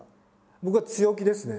僕は強気ですね。